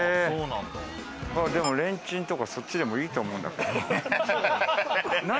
でもレンチンとか、そっちでもいいと思うんだけどな。